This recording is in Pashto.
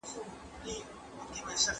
ته دي نظمونه د جانان په شونډو ورنګوه